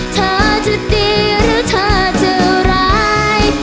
เธอจะดีหรือเธอจะรัก